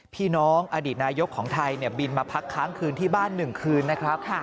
พี่น้องอดีตนายกของไทยบินมาพักค้างคืนที่บ้าน๑คืนนะครับ